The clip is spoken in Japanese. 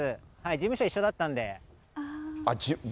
事務所一緒だったんで。